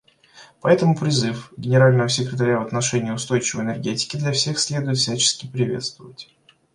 Поэтому призыв Генерального секретаря в отношении устойчивой энергетики для всех следует всячески приветствовать.